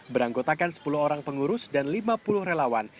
beranggotakan sepuluh orang pengurus dan lima puluh relawan